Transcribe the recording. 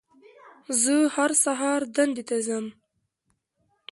زه هر سهار دندې ته ځم